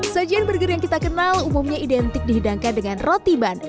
sajian burger yang kita kenal umumnya identik dihidangkan dengan roti ban